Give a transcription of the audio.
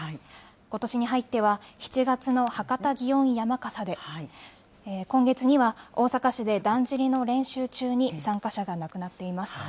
ことしに入っては、７月の博多祇園山笠で、今月には大阪市でだんじりの練習中に、参加者が亡くなっています。